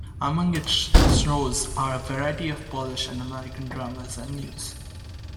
Among its shows are a variety of Polish and American dramas and news.